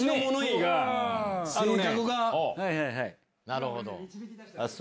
なるほど。